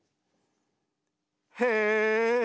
「へえ！